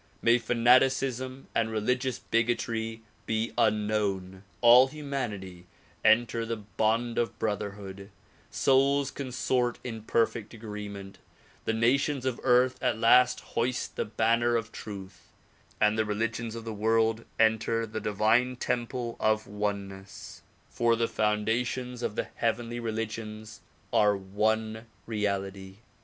May fanaticism and religious bigotry be unknown, all humanity enter the bond of brotherhood, souls consort in per fect agreement, the nations of earth at last hoist the banner of truth and the religions of the world enter the divine temple of oneness, for the foundations of the heavenly religions are one reality.